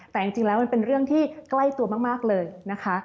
แต่จริงแล้วมันเป็นเรื่องที่ใกล้ตัวมากเลยนะคะ